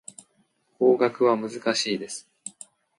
法学は難しいです。